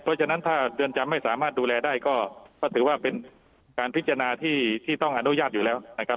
เพราะฉะนั้นถ้าเรือนจำไม่สามารถดูแลได้ก็ถือว่าเป็นการพิจารณาที่ต้องอนุญาตอยู่แล้วนะครับ